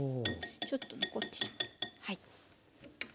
ちょっと残ってしまうはい。